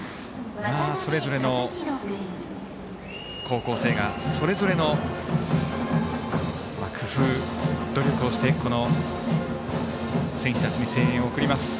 それぞれの高校生がそれぞれの工夫、努力をして選手たちに声援を送ります。